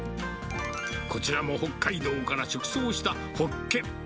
こちらも北海道から直送したホッケ。